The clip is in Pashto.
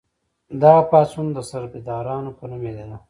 دغه پاڅون د سربدارانو په نوم یادیده.